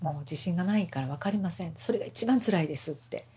それが一番つらいですって。